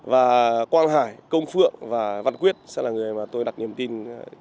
và quang hải công phượng và văn quyết sẽ là người mà tôi đặt niềm tin